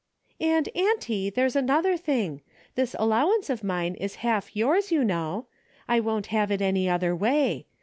"And auntie, there's another thing; this allowance of mine is half yours you know. I won't have it any other way.